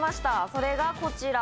それがこちら。